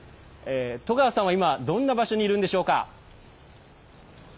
戸川さんは今、どんな場所にいるんでしょうか。